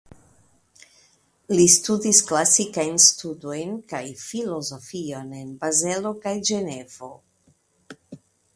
Li studis klasikajn studojn kaj filozofion en Bazelo kaj Ĝenevo.